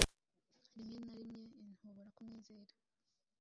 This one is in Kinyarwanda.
Rimwe na rimweinhobora kumwizera